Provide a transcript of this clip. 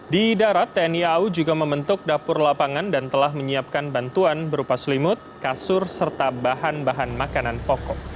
di darat tni au juga membentuk dapur lapangan dan telah menyiapkan bantuan berupa selimut kasur serta bahan bahan makanan pokok